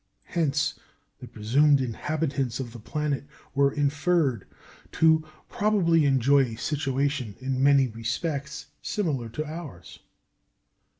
Hence the presumed inhabitants of the planet were inferred to "probably enjoy a situation in many respects similar to ours."